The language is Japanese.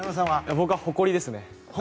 僕は誇りですね。